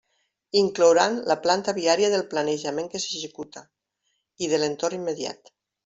Inclouran la planta viària del planejament que s'executa i de l'entorn immediat.